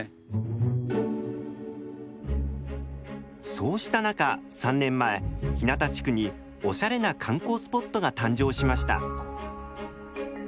そうした中３年前日向地区におしゃれな観光スポットが誕生しました。